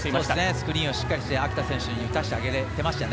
スクリーンをしっかりして秋田選手に打たせてあげていましたね。